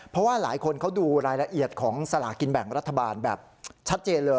เพราะว่าหลายคนเขาดูรายละเอียดของสลากินแบ่งรัฐบาลแบบชัดเจนเลย